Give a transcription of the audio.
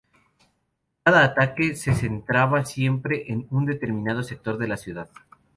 Cada ataque se centraba siempre en un determinado sector de la ciudad.